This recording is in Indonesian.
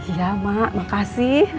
iya mak makasih